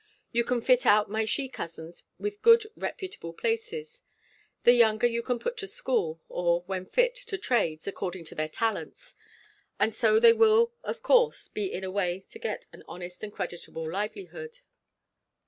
You can fit out my she cousins to good reputable places. The younger you can put to school, or, when fit, to trades, according to their talents; and so they will be of course in a way to get an honest and creditable livelihood.